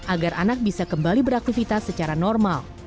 agar anak bisa kembali beraktivitas secara normal